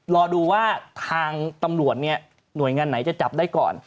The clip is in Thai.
รอดูว่าทางตำรวจเนี่ยหน่วยงานไหนจะจับได้ก่อน